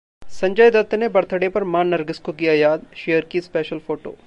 संजय दत्त ने बर्थडे पर मां नरगिस को किया याद, शेयर की स्पेशल फोटो